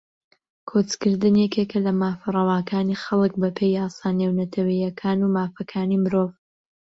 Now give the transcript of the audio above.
کۆچکردن یەکێکە لە مافە ڕەواکانی خەڵک بەپێی یاسا نێونەتەوەییەکان و مافەکانی مرۆڤ